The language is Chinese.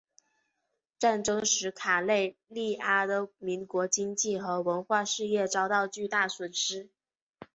战争使卡累利阿的国民经济和文化事业遭受巨大损失。